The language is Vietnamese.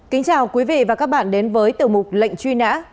kính chào quý vị và các bạn đến với tiểu mục lệnh truy nã